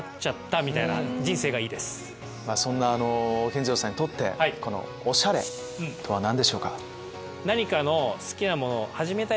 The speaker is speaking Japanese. そんな健二郎さんにとってこのおしゃれとは何でしょうか？